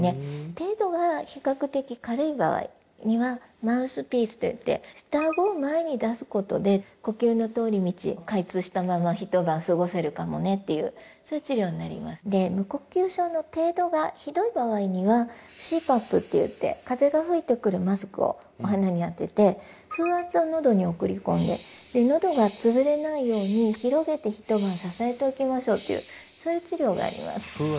程度が比較的軽い場合にはマウスピースといって下あごを前に出すことで呼吸の通り道開通したまま一晩過ごせるかもねっていうそういう治療になりますで無呼吸症の程度がひどい場合にはＣＰＡＰっていって風が吹いてくるマスクをお鼻に当てて風圧をのどに送り込んでのどが潰れないように広げて一晩支えておきましょうというそういう治療があります